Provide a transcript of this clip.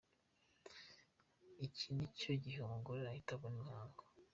Iki ni cyo gihe umugore ahita abona imihango.